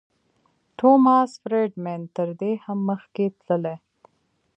ټوماس فریډمن تر دې هم مخکې تللی.